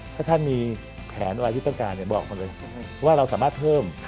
ถ้าท่านมีแผนอะไรที่ต้องการบอกหมดเลยว่าเราสามารถเพิ่ม